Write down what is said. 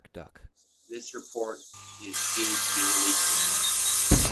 This report is due to be released in March.